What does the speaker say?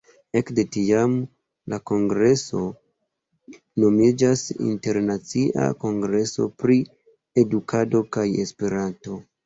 Ekde tiam, la kongreso nomiĝas Internacia Kongreso pri Edukado kaj Esperanto.